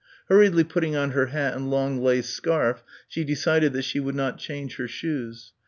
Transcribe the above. Hurriedly putting on her hat and long lace scarf she decided that she would not change her shoes.